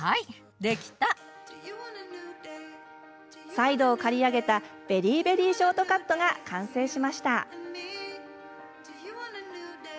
サイドを刈り上げたベリーベリーショートカットが完成しました。